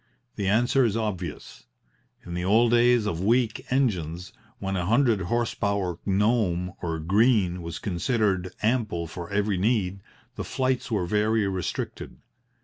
The answer is obvious. In the old days of weak engines, when a hundred horse power Gnome or Green was considered ample for every need, the flights were very restricted.